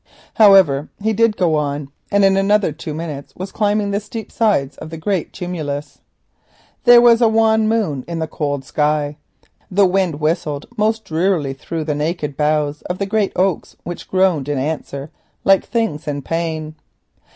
However, he did go on, and in another two minutes was climbing the steep sides of the tumulus. There was a wan moon in the cold sky—the wind whistled most drearily through the naked boughs of the great oaks, which groaned in answer like things in pain.